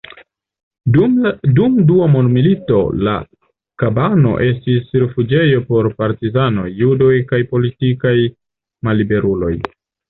Dum Dua mondmilito la kabano estis rifuĝejo por partizanoj, judoj kaj politikaj malliberuloj.